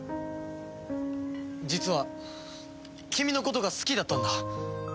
実は君のことが好きだったんだ。